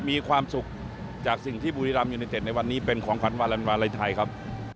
มีความสุขจากสิ่งที่บุรีรัมยูเนเต็ดในวันนี้เป็นของขวัญวาลันวาลัยไทยครับ